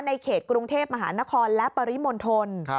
ในเขตกรุงเทพมหานครและปริมณฑล